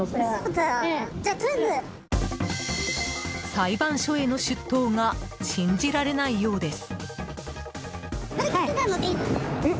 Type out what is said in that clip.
裁判所への出頭が信じられないようです。